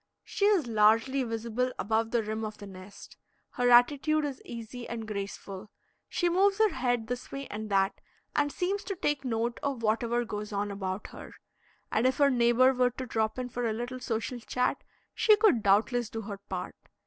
She is largely visible above the rim of the nest. Her attitude is easy and graceful; she moves her head this way and that, and seems to take note of whatever goes on about her; and if her neighbor were to drop in for a little social chat, she could doubtless do her part.